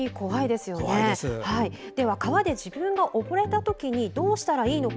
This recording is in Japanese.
では、川で自分が溺れたとき、どうしたらいいのか。